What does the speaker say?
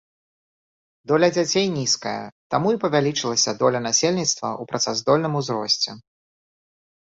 Доля дзяцей нізкая, таму і павялічылася доля насельніцтва ў працаздольным узросце.